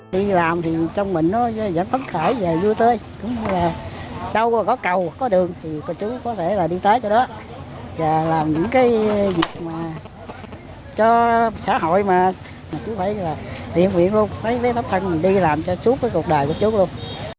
đi làm thì trong mình nó vẫn tấn khởi và vui tươi đâu mà có cầu có đường thì chú có thể là đi tới cho đó và làm những cái việc mà cho xã hội mà chú thấy là thiện huyện luôn với tấm thân mình đi làm cho suốt cuộc đời của chú luôn